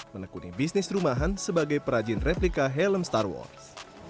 menekuni bisnis rumahan sebagai perajin replika helm star wars